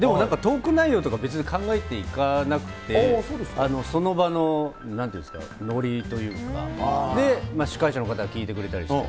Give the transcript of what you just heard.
でもなんか、トーク内容なんか別に考えていかなくて、その場のなんて言うんですか、ノリというか、で、司会者の方が聞いてくれたりして。